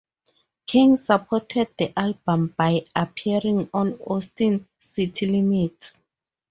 King supported the album by appearing on "Austin City Limits".